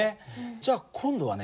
じゃあ今度はね